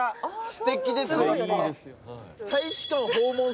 すてきですよ。